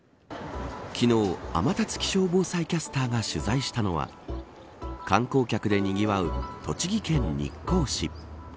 昨日天達気象防災キャスターが取材したのは観光客でにぎわう栃木県日光市。